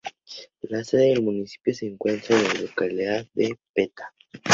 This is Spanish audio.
La sede del municipio se encuentra en la localidad de Peta.